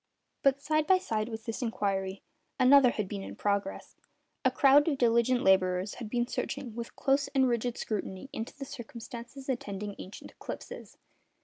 But, side by side with this inquiry, another had been in progress. A crowd of diligent labourers had been searching with close and rigid scrutiny into the circumstances attending ancient eclipses.